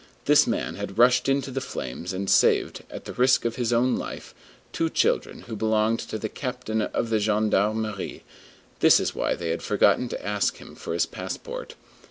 This man had rushed into the flames and saved, at the risk of his own life, two children who belonged to the captain of the gendarmerie; this is why they had forgotten to ask him for his passport.